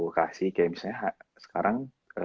kasih kayak misalnya sekarang